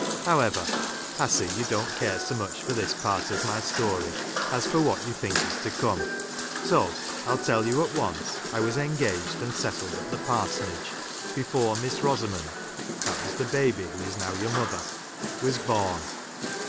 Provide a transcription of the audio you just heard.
However, I see you don't care so much for this part of my story, as for what you think is to come, so I'll tell you at once I was engaged, and settled at the parsonage before Miss Eosamond (that was the baby, who is now your mother) was born.